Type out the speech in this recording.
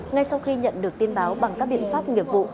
ngay sau khi nhận được tin báo bằng các biện pháp nghiệp vụ